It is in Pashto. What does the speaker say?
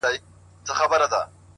دا روڼه ډېــوه مي پـه وجـود كي ده ـ